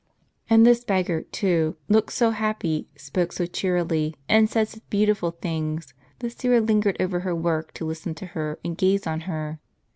And this beggar, too, looked so happy, spoke so cheerily, and said such beautiful things, that Syra lingered over her work to listen to her, and gaze on her.